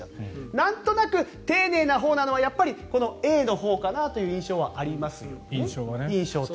なんとなく丁寧なのはやっぱりＡのほうかなという印象はありますよね。